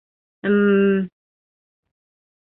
М.